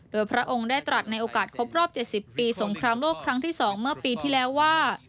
โดยพระองค์ได้ตรัสในโอกาสครบรอบ๗๐ปีสงครามโลกครั้งที่๒เมื่อปีที่แล้วว่า